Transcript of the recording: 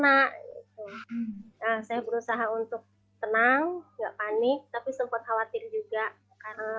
saya berusaha untuk tenang gak panik tapi sempat khawatir juga karena